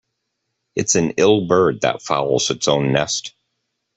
It's an ill bird that fouls its own nest.